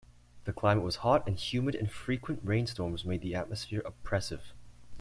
The climate was hot and humid and frequent rainstorms made the atmosphere oppressive.